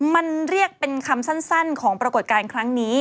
มันเรียกเป็นคำสั้นของปรากฏการณ์ครั้งนี้